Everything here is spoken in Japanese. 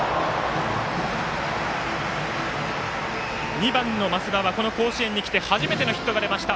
２番の増田はこの甲子園に来て初めてのヒットが出ました。